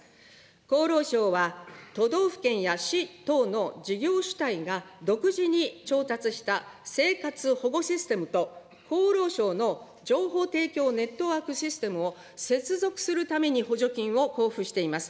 厚労省は都道府県や市等の事業主体が独自に調達した、生活保護システムと厚労省の情報提供ネットワークシステムを接続するために補助金を交付しています。